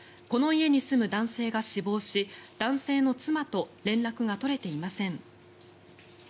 この家に住む男性が死亡し男性の妻と連絡が取れていません。